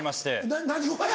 な何をや。